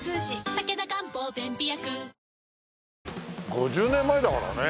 ５０年前だからね。